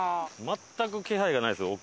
全く気配がないですよ